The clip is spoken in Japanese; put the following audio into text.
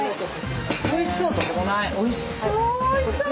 おいしそう！